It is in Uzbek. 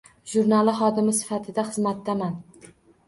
Jurnali xodimi sifatida xizmatdaman.